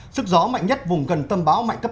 sức gió mạnh nhất vùng gần tâm bão mạnh cấp năm